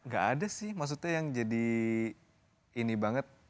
gak ada sih maksudnya yang jadi ini banget